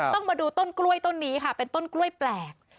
ต้องมาดูต้นกล้วยต้นนี้ค่ะเป็นต้นกล้วยแปลก